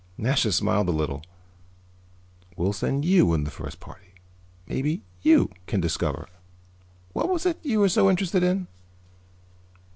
Nasha smiled a little. "We'll send you in the first party. Maybe you can discover what was it you were so interested in?"